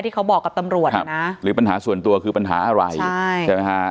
ที่เขาบอกกับตำรวจนะครับหรือปัญหาส่วนตัวคือปัญหาอะไรใช่